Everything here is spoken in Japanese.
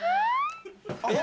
えっ？